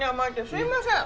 すいません。